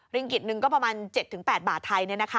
กิจหนึ่งก็ประมาณ๗๘บาทไทย